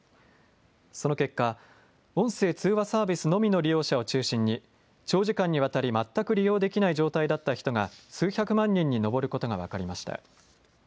その結果、音声通話サービスのみの利用者を中心に長時間にわたり全く利用できない状態だった人が数百万人に上ることが分かりました。